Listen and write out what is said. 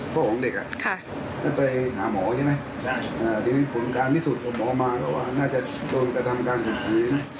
เพราะว่าน่าจะโดนกระทำการสุขนี้